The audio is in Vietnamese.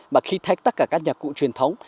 và khi thách tất cả các nhà cụ truyền thống